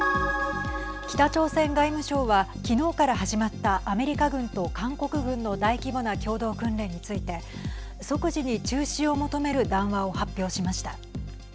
北朝鮮外務省は昨日から始まったアメリカ軍と韓国軍の大規模な共同訓練について即時に中止を求める談話を発表しました。